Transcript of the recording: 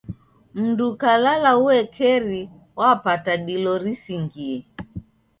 Mndu ukalala uekeri wapata dilo risingie.